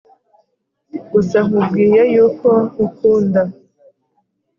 gusa nkubwiye yuko nkukunda